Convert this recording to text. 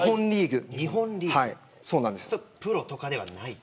プロとかではない。